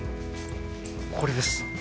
これです。